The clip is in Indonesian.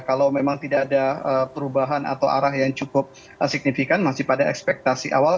kalau memang tidak ada perubahan atau arah yang cukup signifikan masih pada ekspektasi awal